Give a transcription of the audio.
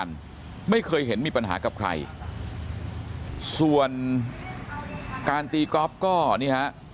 กันไม่เคยเห็นมีปัญหากับใครส่วนการตีกรอฟต์